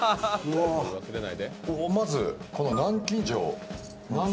まずこの南京錠。